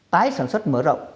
tái sản xuất mở rộng